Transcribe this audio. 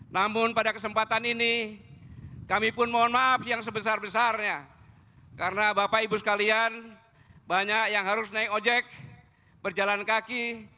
namun pada kesempatan ini kami pun mohon maaf yang sebesar besarnya karena bapak ibu sekalian banyak yang harus naik ojek berjalan kaki